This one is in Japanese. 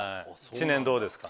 知念どうですか？